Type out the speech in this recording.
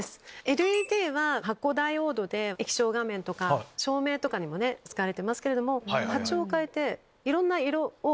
ＬＥＤは発光ダイオードで液晶画面とか照明とかにも使われてますけど。